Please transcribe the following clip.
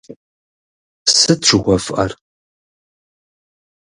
Сыт жыхуэфӀэр?